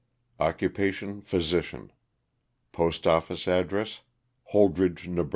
Occupation, physician; postoffice address, Hold rege. Neb.